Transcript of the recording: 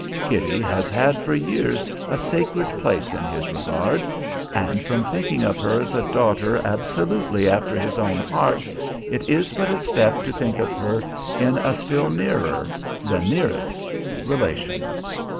Kitty has had for years a sacred place in his regard; and from thinking of her as a daughter absolutely after his own heart, it is but a step to think of her in a still nearer the nearest relation.